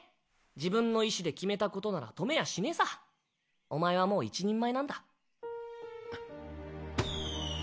自分の意志で決めたことなら止めやしねぇさ。お前はもう一人前なんだ。